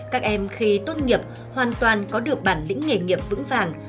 các em khi tốt nghiệp hoàn toàn có được bản lĩnh nghề nghiệp vững vàng